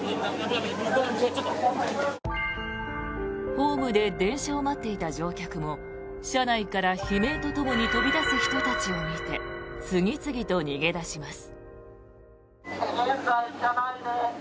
ホームで電車を待っていた乗客も車内から悲鳴とともに飛び出す人たちを見て次々と逃げ出します。